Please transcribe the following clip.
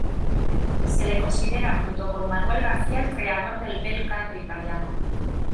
Se le considera junto con Manuel García el creador del bel canto italiano.